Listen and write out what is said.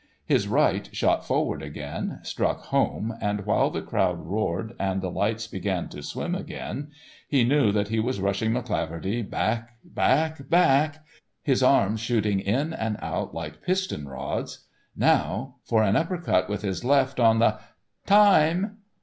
His right shot forward again, struck home, and while the crowd roared and the lights began to swim again, he knew that he was rushing McCleaverty back, back, back, his arms shooting out and in like piston rods, now for an upper cut with his left on the— "_Time!